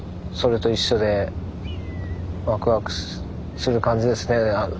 それと一緒でワクワクする感じですね。